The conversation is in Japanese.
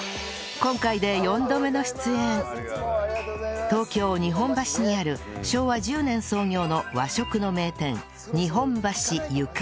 今回で東京日本橋にある昭和１０年創業の和食の名店日本橋ゆかり